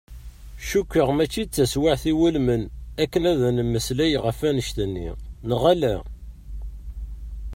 Cukkuɣ mačči d taswiεt iwulmen akken ad nmeslay ɣef annect-n, neɣ ala?